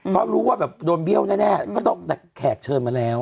ก็รู้ว่าแบบโดนเบี้ยวแน่ก็ต้องแต่แขกเชิญมาแล้ว